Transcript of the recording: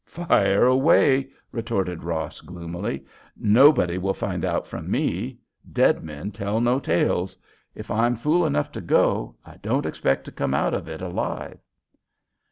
"Fire away," retorted Ross, gloomily. "Nobody will find out from me. Dead men tell no tales. If I'm fool enough to go, I don't expect to come out of it alive."